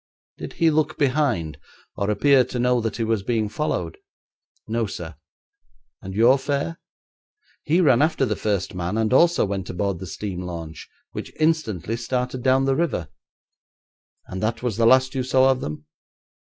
'Did he look behind, or appear to know that he was being followed?' 'No, sir.' 'And your fare?' 'He ran after the first man, and also went aboard the steam launch, which instantly started down the river.' 'And that was the last you saw of them?'